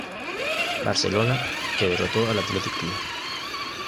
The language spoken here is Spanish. Barcelona, que derrotó al Athletic Club.